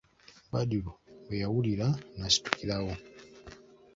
Badru bwe yabiwulira n'asitukirawo.